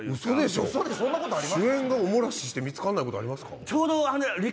主演がお漏らしして見つからないことありますか？